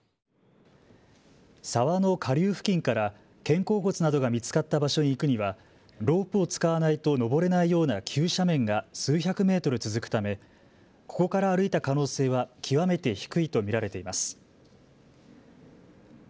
沢の下流付近から肩甲骨などが見つかった場所に行くにはロープを使わないと登れないような急斜面が数百メートル続くためここから歩いた可能性は極めて低いと見られています。